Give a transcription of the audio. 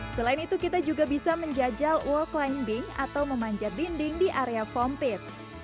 selain itu kita juga bisa menjajal walk climbing being atau memanjat dinding di area foam pit